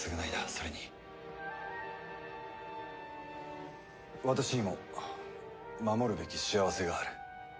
それに私にも守るべき幸せがある。